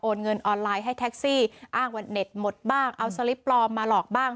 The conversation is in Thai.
เงินออนไลน์ให้แท็กซี่อ้างว่าเน็ตหมดบ้างเอาสลิปปลอมมาหลอกบ้าง